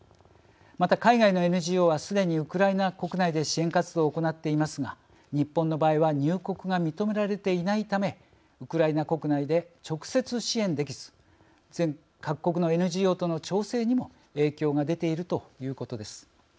また、海外のＮＧＯはすでにウクライナ国内で支援活動を行っていますが日本の場合は入国が認められていないためウクライナ国内で直接支援できず各国のＮＧＯとの調整にも影響が出ているということです。